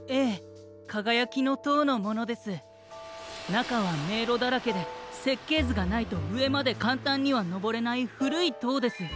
なかはめいろだらけでせっけいずがないとうえまでかんたんにはのぼれないふるいとうです。